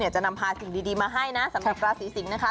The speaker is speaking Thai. จะนำพาสิ่งดีมาให้นะสำหรับราศีสิงศ์นะคะ